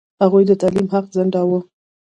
هغوی د تعلیم حق ځنډاوه.